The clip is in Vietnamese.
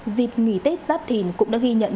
dịp nghỉ tết giáp thìn cũng đã ghi nhận